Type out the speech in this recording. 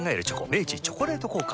明治「チョコレート効果」